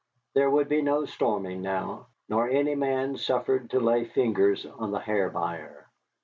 There would be no storming now, nor any man suffered to lay fingers on the Hair Buyer.